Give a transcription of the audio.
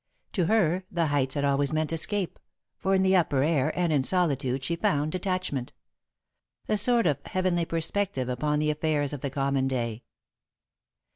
To her the heights had always meant escape, for in the upper air and in solitude she found detachment a sort of heavenly perspective upon the affairs of the common day.